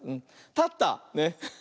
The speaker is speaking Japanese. たった。ね。